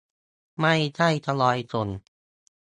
ไม่ใช่ทยอยส่ง